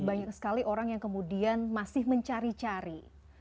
banyak sekali orang yang kemudian masih mencari cari